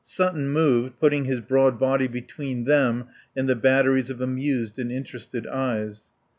Sutton moved, putting his broad body between them and the batteries of amused and interested eyes.